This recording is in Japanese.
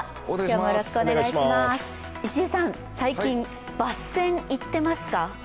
石井さん、最近、バッセン行ってますか？